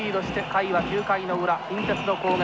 回は９回の裏近鉄の攻撃。